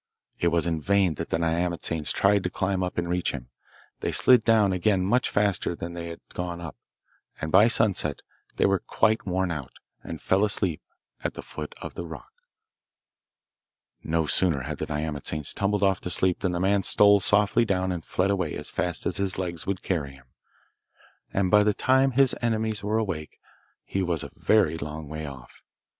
It was in vain that the nyamatsanes tried to climb up and reach him; they slid down again much faster than they had gone up; and by sunset they were quite worn out, and fell asleep at the foot of the rock. No sooner had the nyamatsanes tumbled off to sleep than the man stole softly down and fled away as fast as his legs would carry him, and by the time his enemies were awake he was a very long way off.